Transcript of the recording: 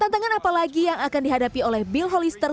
tantangan apa lagi yang akan dihadapi oleh bill holister